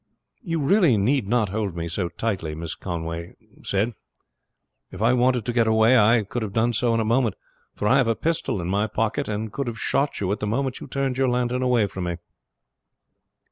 "You really need not hold me so tightly," Mrs. Conway said. "If I wanted to get away I could have done so in a moment; for I have a pistol in my pocket, and could have shot you the moment you turned your lantern away from me."